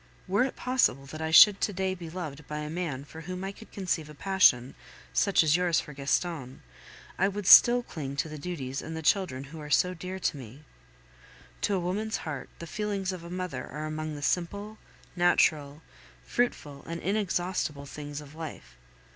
Were it possible that I should to day be loved by a man for whom I could conceive a passion, such as yours for Gaston, I would still cling to the duties and the children, who are so dear to me. To a woman's heart the feelings of a mother are among the simple, natural, fruitful, and inexhaustible things of life.